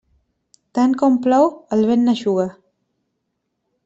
Tant com plou, el vent n'eixuga.